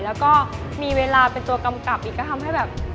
แล้วก็มีเวลาเป็นตัวกำกับอีกก็ทำให้แบบ